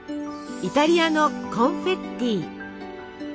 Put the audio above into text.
イタリアのコンフェッティ。